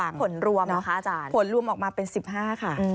แล้วผลรวมผลรวมออกมาเป็น๑๕ค่ะ